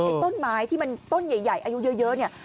ต้นไม้ที่มันต้นใหญ่อายุเยอะเนี่ย